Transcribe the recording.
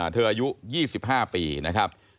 อายุ๒๕ปีนะครับ